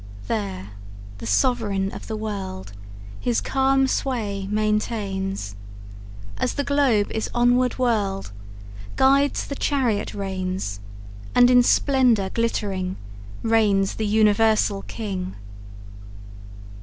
There the Sovereign of the world His calm sway maintains; As the globe is onward whirled Guides the chariot reins, And in splendour glittering Reigns the universal King.